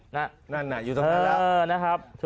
นั่นน่ะอยู่ตรงนั้นแล้ว